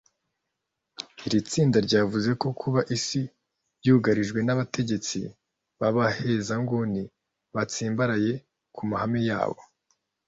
Iri tsinda ryavuze ko kuba isi yugarijwe n’abategetsi babahezanguni batsimbaraye kumahame yabo